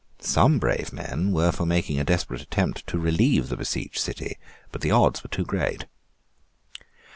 Some brave men were for making a desperate attempt to relieve the besieged city; but the odds were too great.